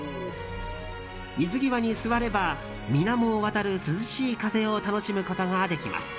水際に座れば水面を渡る涼しい風を楽しむことができます。